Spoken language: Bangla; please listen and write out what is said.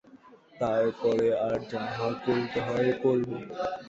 তার পরে আর যাহা করিতে হয় করিব।